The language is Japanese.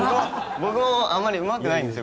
僕もあまりうまくないんですよ